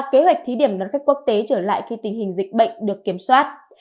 kế hoạch thí điểm đón khách quốc tế trở lại khi tình hình dịch bệnh được kiểm soát